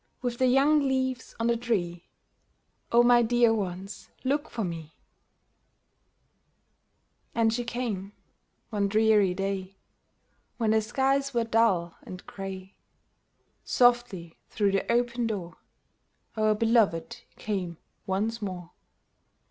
With the young leaves on the tree, O my dear ones, look for me !" And she came. One dreary day. When the skies were dull and gray, Softly through the open door Our beloved came once more.